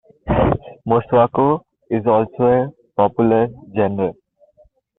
Motswako is also a popular genre.